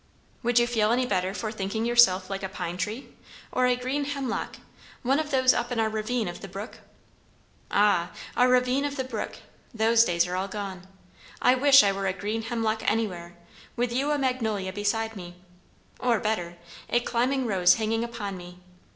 "Would you feel any better for thinking yourself like a pine tree? or a green hemlock? one of those up in our ravine of the brook?" "Ah, our ravine of the brook! Those days are all gone. I wish I were a green hemlock anywhere, with you a magnolia beside me; or better, a climbing rose hanging upon me!